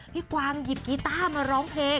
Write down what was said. กวางหยิบกีต้ามาร้องเพลง